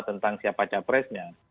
tentang siapa capresnya